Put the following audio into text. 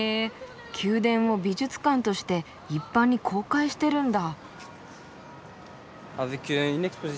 宮殿を美術館として一般に公開してるんだ。